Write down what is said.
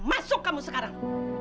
masuk kamu sekarang